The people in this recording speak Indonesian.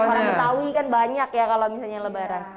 orang betawi kan banyak ya kalau misalnya lebaran